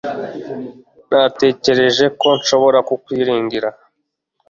Natekereje ko nshobora kukwiringira